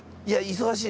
忙しい。